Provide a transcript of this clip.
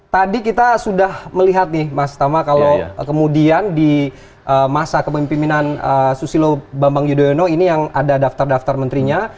tadi kita sudah melihat nih mas tama kalau kemudian di masa kepemimpinan susilo bambang yudhoyono ini yang ada daftar daftar menterinya